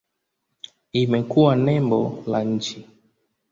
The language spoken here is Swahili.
Imekuwa nembo la nchi.